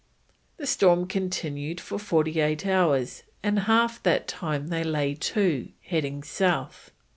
The storm continued for forty eight hours, and half that time they lay to, heading south.